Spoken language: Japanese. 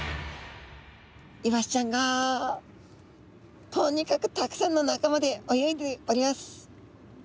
イワシちゃんがとにかくたくさんの仲間で泳いでおります。